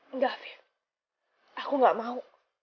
enggak fir aku enggak mau